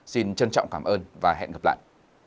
xin trân trọng cảm ơn và hẹn gặp lại